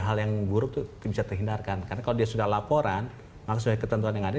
hal yang buruk itu bisa terhindarkan karena kalau dia sudah laporan maksud saya ketentuan yang ada